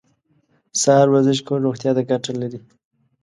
سهار ورزش کول روغتیا ته ګټه لري.